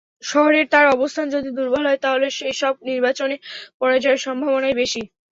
শহরে তাঁর অবস্থান যদি দুর্বল হয়, তাহলে এসব নির্বাচনে পরাজয়ের সম্ভাবনাই বেশি।